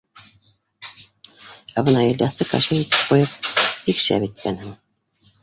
Ә бына Ильясты Кащей итеп ҡуйып — бик шәп иткәнһең!